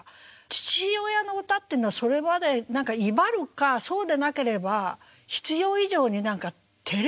父親の歌っていうのはそれまで威張るかそうでなければ必要以上に何かてれくさくなっちゃうみたいなね。